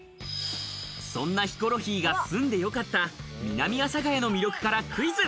そんなヒコロヒーが住んでよかった南阿佐ヶ谷の魅力からクイズ。